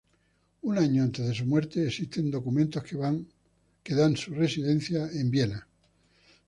Un año antes de su muerte, existen documentos que dan su residencia en Viena.